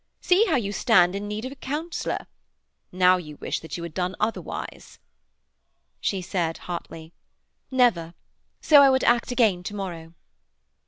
See how you stand in need of a counsellor. Now you wish you had done otherwise.' She said hotly: 'Never. So I would act again to morrow.'